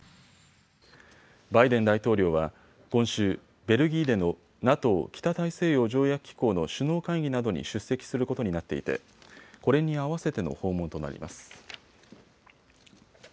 バイデン大統領は今週、ベルギーでのＮＡＴＯ・北大西洋条約機構の首脳会議などに出席することになっていてこれに合わせての訪問となります。